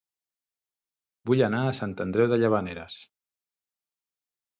Vull anar a Sant Andreu de Llavaneres